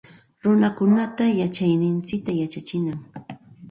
Runakunata yachayninchikta yachachinam